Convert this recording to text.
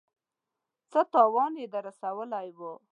څه تاوان يې در رسولی و.